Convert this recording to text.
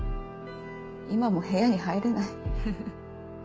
今も部屋に入れないフフ。